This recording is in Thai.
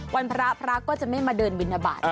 วันพระพระก็จะไม่มาเดินบินทบาท